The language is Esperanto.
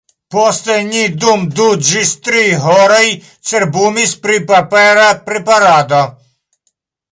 Poste ni dum du ĝis tri horoj cerbumis pri papera preparado.